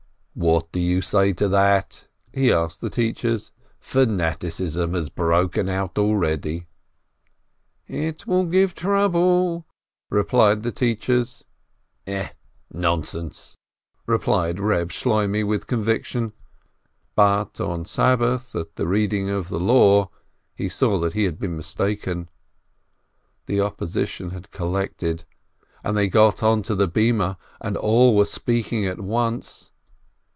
"What do you say to that?" he asked the teachers. "Fanaticism has broken out already !" "It will give trouble," replied the teachers. "Eh, nonsense !" said Reb Shloimeh, with conviction. But on Sabbath, at the Reading of the Law, he saw that he had been mistaken. The opposition had collected, and they got onto the platform, and all began speaking at once.